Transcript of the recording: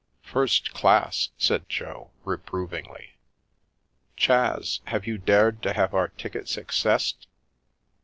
"First class!" said Jo, reprovingly. " Chas, have you dared to have our tickets excessed